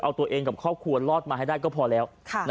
เอาตัวเองกับครอบครัวรอดมาให้ได้ก็พอแล้ว